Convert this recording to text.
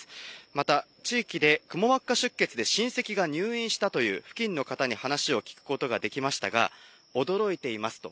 また、地域でくも膜下出血で親戚が入院したという付近の方に話を聞くことができましたが、驚いていますと。